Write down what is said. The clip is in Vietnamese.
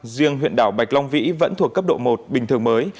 riêng huyện đảo bạch long vĩ vẫn thuộc cấp độ một bình thường mới